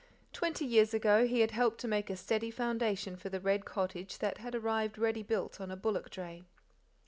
Twenty years ago he had helped to make a steady foundation for the red cottage that had arrived ready built on a bullock dray.